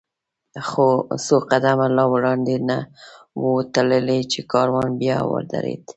څو قدمه لا وړاندې نه و تللي، چې کاروان بیا ودرېد.